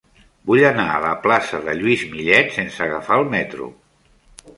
Vull anar a la plaça de Lluís Millet sense agafar el metro.